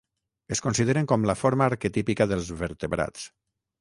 Es consideren com la forma arquetípica dels vertebrats.